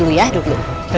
cetra hidup dulu ya